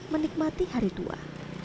menikmati hari tua